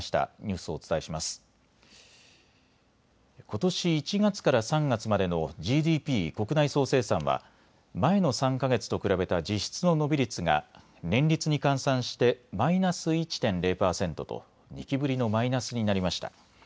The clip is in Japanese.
ことし１月から３月までのＧＤＰ・国内総生産は前の３か月と比べた実質の伸び率が年率に換算してマイナス１．０％と２期ぶりのマイナスになりました。